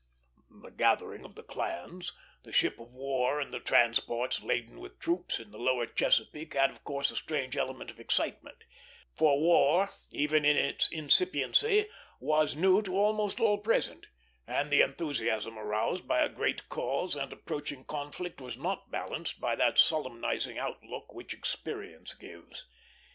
The gathering of the clans, the ships of war and the transports laden with troops, in the lower Chesapeake had of course a strange element of excitement; for war, even in its incipiency, was new to almost all present, and the enthusiasm aroused by a great cause and approaching conflict was not balanced by that solemnizing outlook which experience gives.